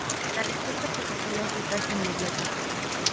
La respuesta positiva fue casi que inmediata.